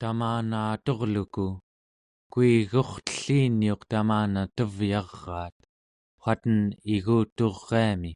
tamana aturluku, kuigurtellrulliniuq tamana tevyaraat, waten iguturiami